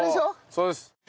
そうです。